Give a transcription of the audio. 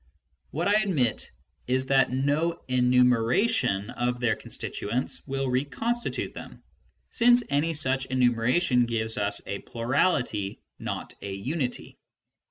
What I admit is that no enumeration of their constituents will reconstitute them, since any such enumeration gives us a plurality, not a unity.